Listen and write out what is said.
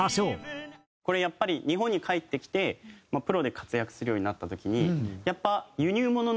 これやっぱり日本に帰ってきてプロで活躍するようになった時にやっぱ。